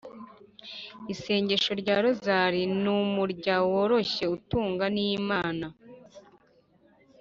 isengesho rya rozali ni umurunga woroshye utwunga n’imana: